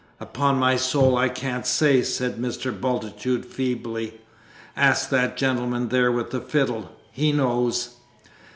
"Upon my soul I can't say," said Mr. Bultitude feebly. "Ask that gentleman there with the fiddle he knows."